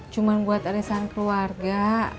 cuma buat alisan keluarga